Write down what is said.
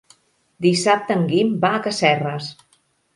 Dissabte en Guim va a Casserres.